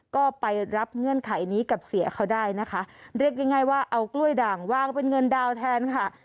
ก็ไปรับเงื่อนไขนี้กับเสียเขาได้นะคะเรียกง่ายง่ายว่าเอากล้วยด่างวางเป็นเงินดาวแทนค่ะ